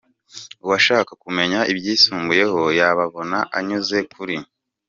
Uwashaka kumenya ibyisumbuyeho yababona anyuze kuri:.